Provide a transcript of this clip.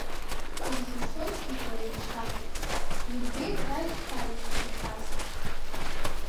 Кыр зылшозгьы дара имшаҭеит, имбеит раҩсҭаа иширшәаз…